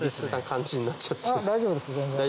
大丈夫です全然。